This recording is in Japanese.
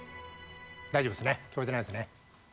大丈夫ですね聞こえてないですね。